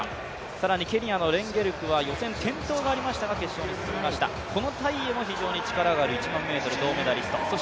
更にケニアのレンゲルクは予選、転倒がありましたが決勝に進みました、このタイエも非常に力のある、１００００ｍ銅メダリスト。